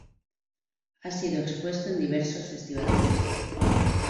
Ha sido expuesto en diversos festivales de cine.